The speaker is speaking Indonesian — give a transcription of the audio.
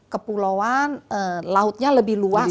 kepulauan lautnya lebih luas